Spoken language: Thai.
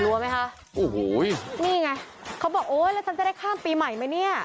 กลัวไหมคะโอ้โหนี่ไงเขาบอกโอ๊ยแล้วฉันจะได้ข้ามปีใหม่ไหมเนี่ย